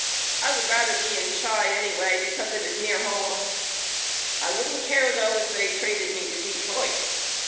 I would rather be in Chi anyway because it is near home. I wouldn't care though if they traded me to Detroit.